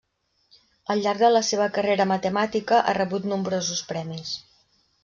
Al llarg de la seva carrera matemàtica ha rebut nombrosos premis.